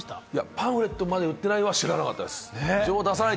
パンフレットも売ってないって知らなかったです。